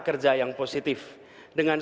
kerja yang positif dengan